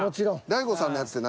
大悟さんのやつって。